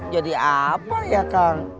jadi apa ya kang